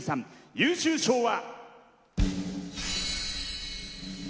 優秀賞は。